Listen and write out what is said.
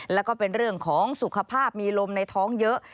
แล้วก็เป็นเรื่องของสุขภาพมีลมในท้องเยอะ